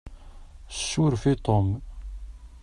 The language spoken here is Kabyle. Suref i Tom.